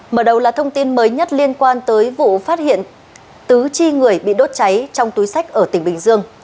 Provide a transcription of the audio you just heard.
mở đầu là thông tin mới nhất liên quan tới vụ phát hiện tứ chi người bị đốt cháy trong túi sách ở tỉnh bình dương